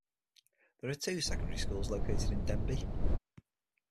There are two secondary schools located in Denbigh.